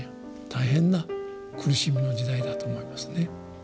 大変な苦しみの時代だと思いますね。